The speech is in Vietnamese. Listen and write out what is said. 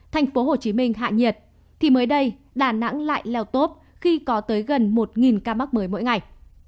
thành phố hồ chí minh hạ nhiệt thì mới đây đà nẵng lại leo tốt khi có tới gần một ca mắc mới mỗi ngày